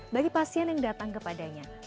bagi pasien yang datang kepadanya